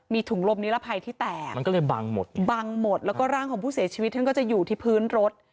มีถุงลมนิรภัยที่แตกมันก็เลยบังหมดบังหมดแล้วก็ร่างของผู้เสียชีวิตท่านก็จะอยู่ที่พื้นรถ